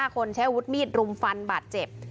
คนใช้อาวุธมีดรุมฟันบาดเจ็บ